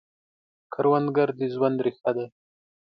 کروندګر د ژوند ریښه ده